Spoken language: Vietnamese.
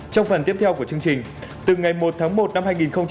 trong phần tiếp theo của chương trình từ ngày một tháng một năm hai nghìn hai mươi